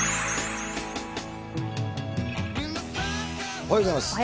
おはようございます。